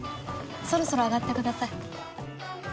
そろそろあがってください